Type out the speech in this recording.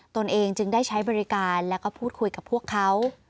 ตนเองจึงได้ใช้บริการแล้วก็พูดคุยกับพวกเขา